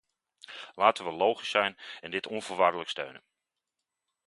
Laten we logisch zijn en dit onvoorwaardelijk steunen.